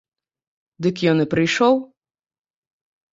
Дык ён і прыйшоў.